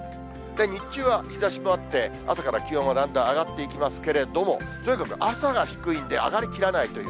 日中は日ざしもあって、朝から気温はだんだん上がっていきますけれども、とにかく朝が低いんで、上がりきらないという。